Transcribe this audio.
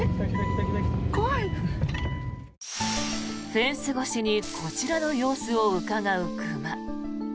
フェンス越しにこちらの様子をうかがう熊。